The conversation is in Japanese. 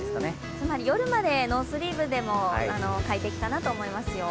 つまり夜までノースリーブでも快適かなと思いますよ。